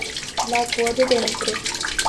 Lagoa de Dentro